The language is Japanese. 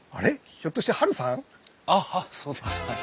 ひょっとしてハルさん？あっそうですはい。